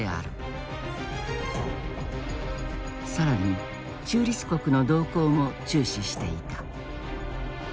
更に中立国の動向も注視していた。